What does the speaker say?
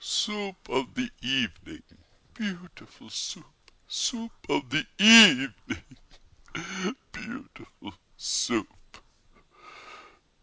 Soup of the evening, beautiful Soup! Soup of the evening, beautiful Soup!